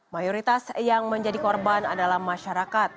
mayoritas yang menjadi korban adalah masyarakat